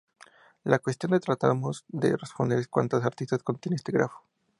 La cuestión que tratamos de responder es: ¿cuántas aristas contiene este grafo?